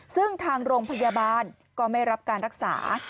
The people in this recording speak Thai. ซึ่งทางโรงพยาบาลก็ไม่รับการรักษา